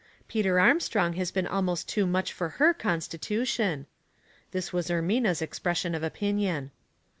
Peter Armstrong has been almost too much for her constitution." This was Ermina's expression of opinion.